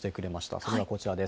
それがこちらです。